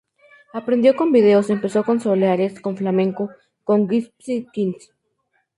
Aprendió con vídeos, empezó con soleares, con flamenco, con Gipsy Kings.